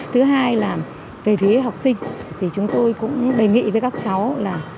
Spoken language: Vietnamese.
thứ hai là về phía học sinh thì chúng tôi cũng đề nghị với các cháu là